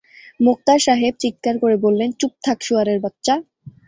মোক্তার সাহেব চিৎকার করে বললেন, চুপ থাক, শুয়োরের বাচ্চা।